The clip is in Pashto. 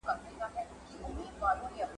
فرصتونه د هوا په څېر دي.